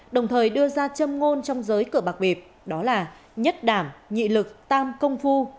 đồng thời đưa ra châm ngôn trong giới cửa bạc bịp đó là nhất đảm nhị lực tam công phu